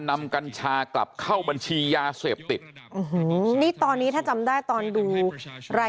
กัญชากลับเข้าบัญชียาเสพติดนี่ตอนนี้ถ้าจำได้ตอนดูราย